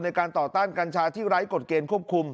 ในการต่อต้านกัญชาที่ไร้กฎเกณฑ์ควบคุม